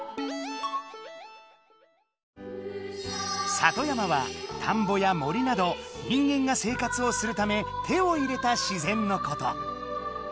「里山」は田んぼや森など人間が生活をするため手を入れた自然のこと。